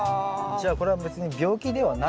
じゃあこれは別に病気ではない？